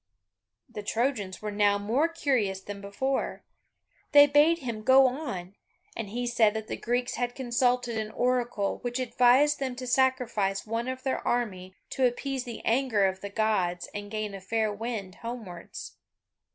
The Trojans were now more curious than before. They bade him go on, and he said that the Greeks had consulted an Oracle, which advised them to sacrifice one of their army to appease the anger of the Gods and gain a fair wind homewards.